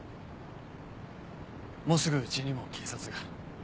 もうすぐ家にも警察が。